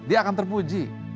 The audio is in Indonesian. dia akan terpuji